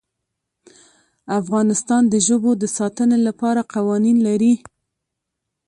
افغانستان د ژبو د ساتنې لپاره قوانین لري.